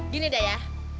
gini dah ya